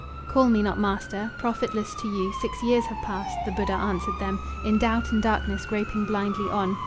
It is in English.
"Call me not master. Profitless to you Six years have passed," the Buddha answered them, "In doubt and darkness groping blindly on.